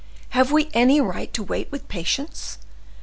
Have we any right to wait with patience?